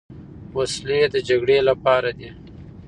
وسلې د جګړې لپاره دي.